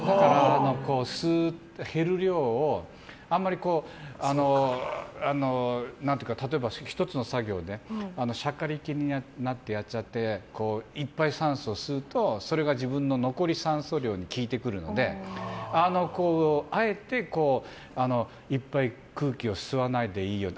吸う、減る量をあんまり例えば、１つの作業でしゃかりきになってやっちゃっていっぱい酸素を吸うとそれが自分の残り酸素量に効いてくるのであえていっぱい空気を吸わないでいようと。